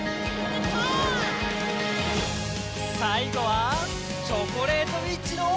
さいごは「チョコレートウィッチの」。